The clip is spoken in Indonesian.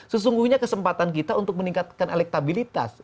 sesungguhnya kesempatan kita untuk meningkatkan elektabilitas